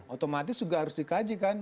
otomatis juga harus dikajikan